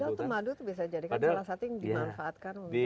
padahal itu madu itu bisa dijadikan salah satu yang dimanfaatkan